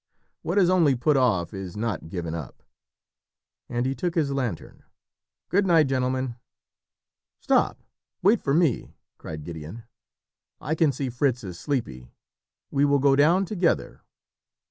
"What is only put off is not given up." And he took his lantern. "Good night, gentlemen." "Stop wait for me," cried Gideon. "I can see Fritz is sleepy; we will go down together."